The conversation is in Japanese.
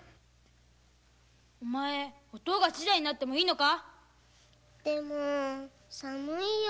お父うが死罪になってもいいのか？